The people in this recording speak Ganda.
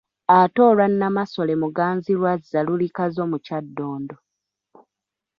Ate olwa Nnamasole Muganzirwazza luli Kazo mu Kyadondo.